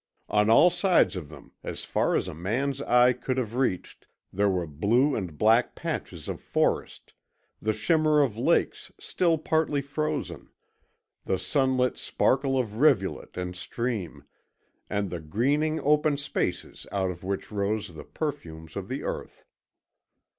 On all sides of them, as far as a man's eye could have reached, there were blue and black patches of forest, the shimmer of lakes still partly frozen, the sunlit sparkle of rivulet and stream, and the greening open spaces out of which rose the perfumes of the earth.